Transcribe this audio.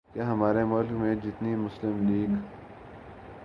کیا ہمارے ملک میں جتنی مسلم لیگ نامی